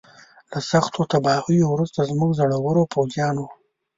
له سختو تباهیو وروسته زموږ زړورو پوځیانو.